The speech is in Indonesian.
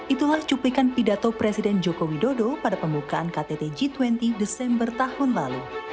itulah cuplikan pidato presiden joko widodo pada pembukaan ktt g dua puluh desember tahun lalu